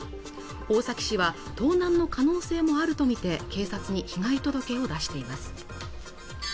大崎市は盗難の可能性もあると見て警察に被害届を出しています